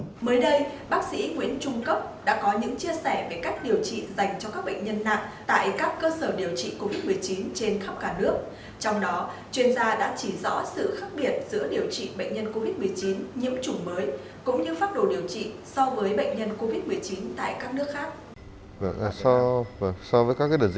mới đây bác sĩ nguyễn trung cấp đã có những chia sẻ về các điều trị dành cho các bệnh nhân nặng tại các cơ sở điều trị covid một mươi chín trên khắp cả nước